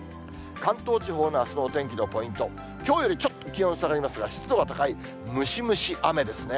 関東地方のあすのお天気のポイント、きょうよりちょっと気温下がりますが、湿度が高いムシムシ雨ですね。